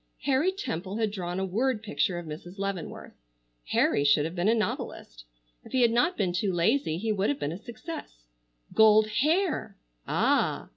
Harry Temple had drawn a word picture of Mrs. Leavenworth. Harry should have been a novelist. If he had not been too lazy he would have been a success. Gold hair! Ah!